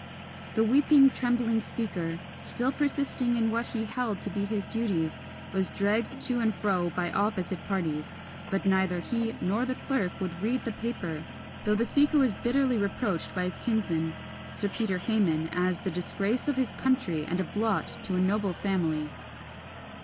The weeping, trembling Speaker, still persisting in what he held to be his duty, was dragged to and fro by opposite parties; but neither he nor the clerk would read the paper, though the Speaker was bitterly reproached by his kinsman, Sir Peter Hayman, "as the disgrace of his country, and a blot to a noble family."